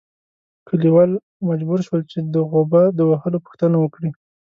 کلیوال مجبور شول چې د غوبه د وهلو پوښتنه وکړي.